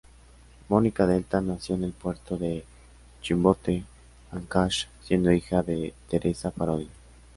Mónica Delta, nació en el puerto de Chimbote, Áncash, siendo hija de Teresa Parodi.